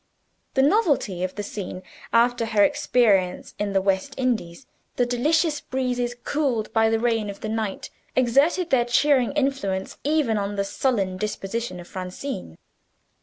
The novelty of the scene, after her experience in the West Indies, the delicious breezes cooled by the rain of the night, exerted their cheering influence even on the sullen disposition of Francine.